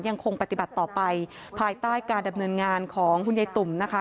ยังคงปฏิบัติต่อไปภายใต้การดำเนินงานของคุณยายตุ่มนะคะ